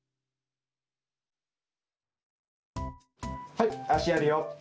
はいあしやるよ。